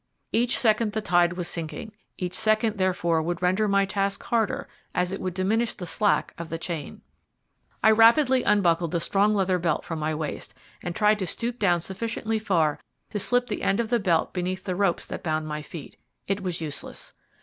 Each second the tide was sinking each second therefore would render my task harder, as it would diminish the slack of the chain. I rapidly unbuckled the strong leather belt from my waist, and tried to stoop down sufficiently far to slip the end of the belt underneath the ropes that bound my feet. It was useless.